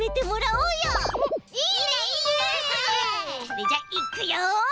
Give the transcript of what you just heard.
それじゃいくよ！